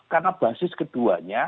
karena basis keduanya